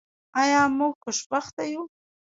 آیا موږ خوشبخته یو؟